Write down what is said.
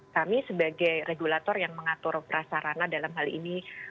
kami sebagai regulator yang mengatur prasarana dalam hal ini